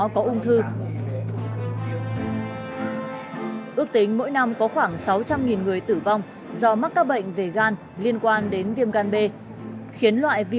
cảm ơn các bạn đã theo dõi